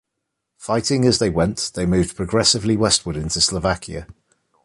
Fighting as they went, they moved progressively westward into Slovakia.